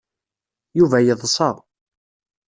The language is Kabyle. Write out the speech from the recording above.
Yuba yeḍsa.